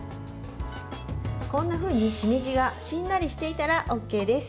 こんなふうに、しめじがしんなりしていたらＯＫです。